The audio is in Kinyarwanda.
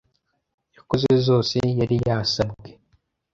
yakoze zose yari yasabwe